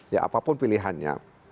ya apapun pilihannya